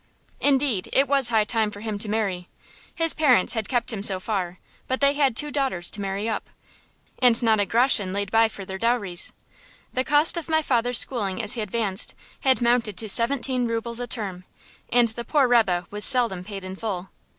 Indeed, it was high time for him to marry. His parents had kept him so far, but they had two daughters to marry off, and not a groschen laid by for their dowries. The cost of my father's schooling, as he advanced, had mounted to seventeen rubles a term, and the poor rebbe was seldom paid in full.